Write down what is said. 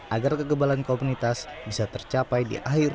agar kegebalan komunitas bisa tercapai di akhir dua ribu dua puluh satu